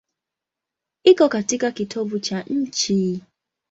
Iko katika kitovu cha nchi.